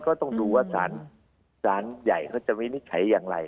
ก็ต้องดูว่าสารใหญ่เขาจะวินิจฉัยอย่างไร